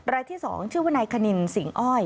รายที่๒ชื่อว่านายคณินสิงอ้อย